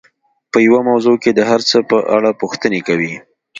په يوه موضوع کې د هر څه په اړه پوښتنې کوي.